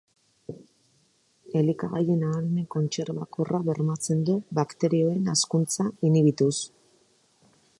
Elikagaien ahalmen kontserbakorra bermatzen du bakterioen hazkuntza inhibituz.